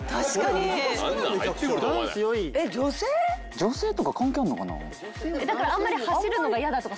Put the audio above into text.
女性とか関係あるかな。